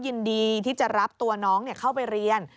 ยินดีที่จะรับตัวน้องเข้าไปเรียน